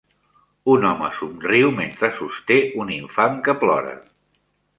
Un home somriu mentre sosté un infant que plora.